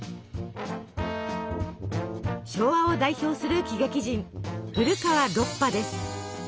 昭和を代表する喜劇人古川ロッパです。